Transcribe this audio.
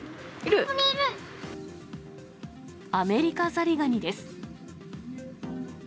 アメリカザリガニです。